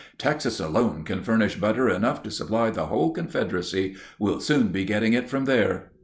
"Texas alone can furnish butter enough to supply the whole Confederacy; we'll soon be getting it from there."